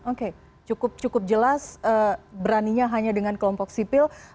oke cukup jelas beraninya hanya dengan kelompok sipil